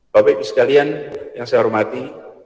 bapak ibu sekalian yang saya hormati